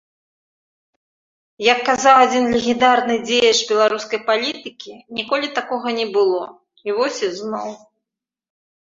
Як казаў адзін легендарны дзеяч беларускай палітыкі, ніколі такога не было, і вось ізноў!